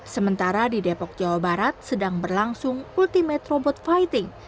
sementara di depok jawa barat sedang berlangsung ultimate robot fighting